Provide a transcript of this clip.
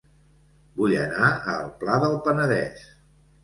Vull anar a El Pla del Penedès